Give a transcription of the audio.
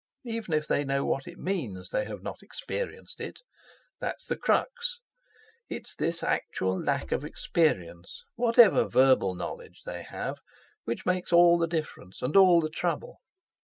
Even if they know what it means they have not experienced it. That's the crux. It is this actual lack of experience, whatever verbal knowledge they have, which makes all the difference and all the trouble.